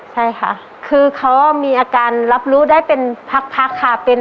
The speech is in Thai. ใช่ค่ะคือเขามีอาการรับรู้ได้เป็นพักค่ะ